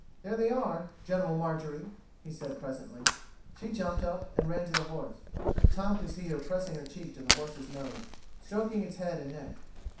"There they are General Marjorie," he said presently. She jumped up and ran to the horse. Tom could see her pressing her cheek to the horse's nose, stroking its head and neck.